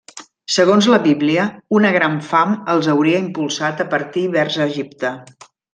Segons la Bíblia, una gran fam els hauria impulsat a partir vers Egipte.